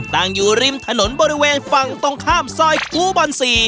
ตั้งอยู่ริมถนนบริเวณฝั่งตรงข้ามซอยครูบอล๔